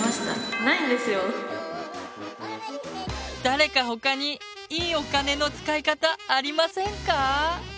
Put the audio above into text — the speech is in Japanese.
誰か他に「いいお金の使い方」ありませんか？